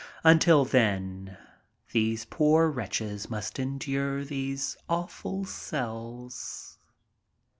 Until then these poor wretches must endure these awful cells.